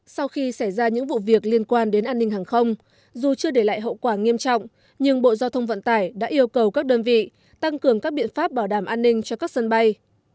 sau khi xảy ra những vụ việc liên quan đến an ninh hàng không dù chưa để lại hậu quả nghiêm trọng nhưng bộ giao thông vận tải đã yêu cầu các đơn vị tăng cường các biện pháp bảo đảm an ninh cho các sân bay